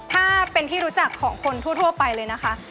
ถ้าเป็นที่รู้จักของคนทั่วไปเลยนะคะ